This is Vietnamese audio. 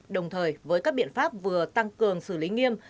đồng thời với các biện pháp vừa tăng cường xử lý nghiêm